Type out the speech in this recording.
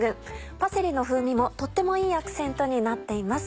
パセリの風味もとってもいいアクセントになっています。